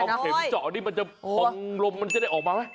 เอาเข็มเจาะนี่มันจะพองลมมันจะได้ออกมาไหม